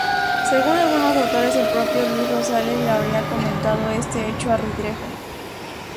Según algunos autores, el propio Luis Rosales le habría comentado este hecho a Ridruejo.